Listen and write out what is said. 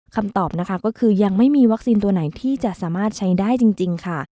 คำตอบนะคะก็คือยังไม่มีวัคซีนตัวไหนที่จะสามารถใช้ได้จริงค่ะ